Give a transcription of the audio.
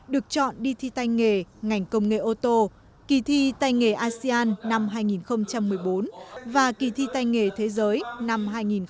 được chọn đi thi tay nghề ngành công nghệ ô tô kỳ thi tay nghề asean năm hai nghìn một mươi bốn và kỳ thi tay nghề thế giới năm hai nghìn một mươi tám